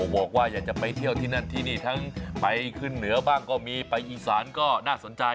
บอกว่าอยากจะไปเที่ยวที่นั่นที่นี่ทั้งไปขึ้นเหนือบ้างก็มีไปอีสานก็น่าสนใจ